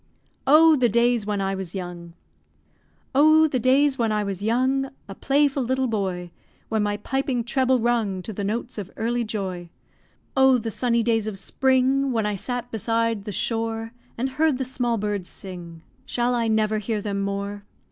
OH, THE DAYS WHEN I WAS YOUNG! Oh, the days when I was young, A playful little boy, When my piping treble rung To the notes of early joy. Oh, the sunny days of spring, When I sat beside the shore, And heard the small birds sing; Shall I never hear them more?